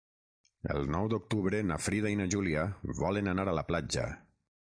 El nou d'octubre na Frida i na Júlia volen anar a la platja.